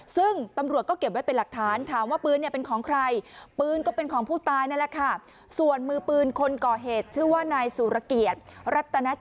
ซึ่งตำรวจก็เก็บไว้เป็นหลักฐานถามว่าปืนเป็นของใคร